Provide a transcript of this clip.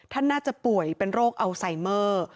ท่านน่าจะป่วยเป็นโรคอัลไซเมอร์